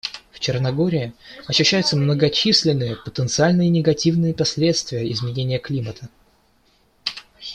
В Черногории ощущаются многочисленные потенциальные негативные последствия изменения климата.